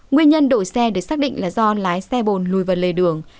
nguyên nhân đội xe được xác định là do lái xe bồn lùi vào lề đường